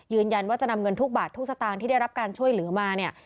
ยืนยันว่าจะนำเงินทุกบาททุกสตางค์ที่ได้รับการช่วยเหลือมาเนี่ย